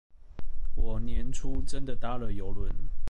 我年初真的搭了郵輪